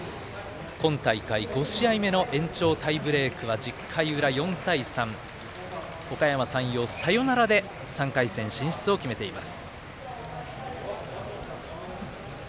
今大会５試合目の延長タイブレークは１０回裏、４対３おかやま山陽、サヨナラで３回戦進出を決めています。